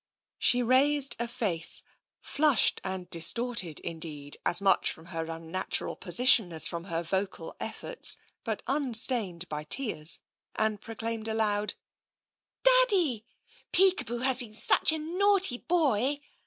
She raised a face, flushed and distorted, indeed, as much from her unnatural position as from her vocal efforts, but unstained by tears, and proclaimed aloud: *' Daddy, Peekaboo has been such a naughty boy.